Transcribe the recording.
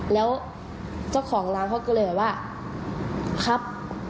แล้วเจ้าของร้านเขาก็เลยแบบว่าครับ